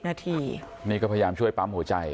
นาทีนี่ก็พยายามช่วยปั๊มหัวใจ